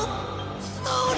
それ！